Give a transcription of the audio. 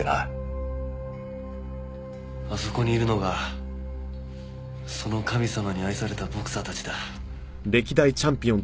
あそこにいるのがその神様に愛されたボクサーたちだ。